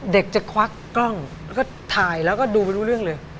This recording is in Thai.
เด็กจะควักกล้องแล้วก็ถ่ายแล้วก็ดูไม่รู้เรื่องเลย